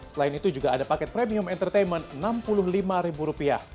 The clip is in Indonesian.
selain itu juga ada paket premium entertainment rp enam puluh lima